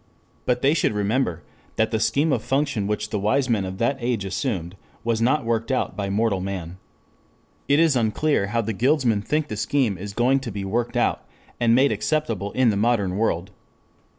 But they should remember that the scheme of function which the wise men of that age assumed was not worked out by mortal man. It is unclear how the guildsmen think the scheme is going to be worked out and made acceptable in the modern world.